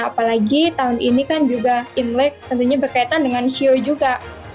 apalagi tahun ini kan juga imlek tentunya berkaitan dengan shio juga